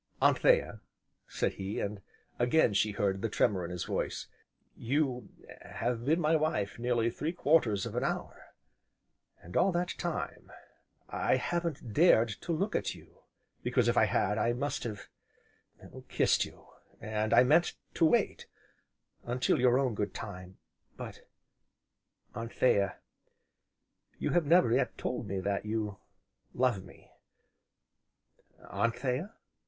"Anthea!" said he, and again she heard the tremor in his voice, "you have been my wife nearly three quarters of an hour, and all that time I haven't dared to look at you, because if I had, I must have kissed you, and I meant to wait until your own good time. But Anthea, you have never yet told me that you love me Anthea?"